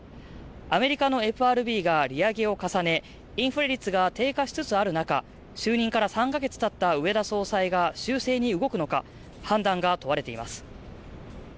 アメリカのＦＲＢが利上げを重ねインフレ率が低下しつつある中就任から３か月たった植田総裁が修正に動くのか判断が問われています